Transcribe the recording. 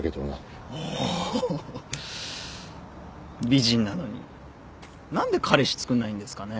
美人なのに何で彼氏つくんないんですかね。